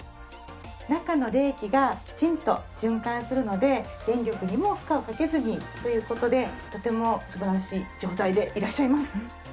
中の冷気がきちんと循環するので電力にも負荷をかけずにという事でとても素晴らしい状態でいらっしゃいます。